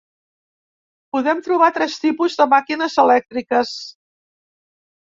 Podem trobar tres tipus de màquines elèctriques.